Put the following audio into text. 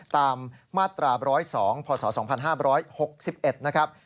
ตามมาตรา๑๐๒พศ๒๕๖๑นะครับ